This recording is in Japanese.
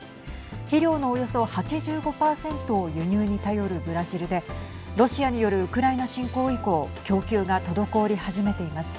肥料のおよそ８５％を輸入に頼るブラジルでロシアによるウクライナ侵攻以降供給が滞り始めています。